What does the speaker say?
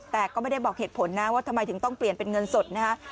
แต่ก็ไม่ได้บอกเหตุผลนะว่าทำไมถึงต้องเปลี่ยนเป็นเงินสดนะฮะ